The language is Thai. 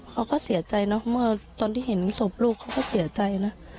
เขาก็เสียใจเนอะเมื่อตอนที่เห็นศพลูกเขาก็เสียใจนะ